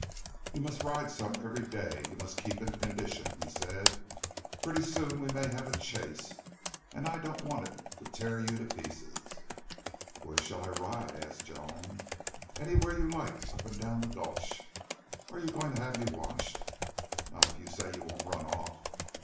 "You must ride some every day. You must keep in condition," he said. "Pretty soon we may have a chase, and I don't want it to tear you to pieces." "Where shall I ride?" asked Joan. "Anywhere you like up and down the gulch." "Are you going to have me watched?" "Not if you say you won't run off."